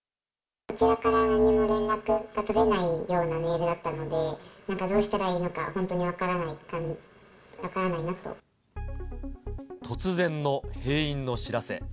こちらから何も連絡が取れないようなメールだったので、なんかどうしたらいいのか、本当に分から突然の閉院の知らせ。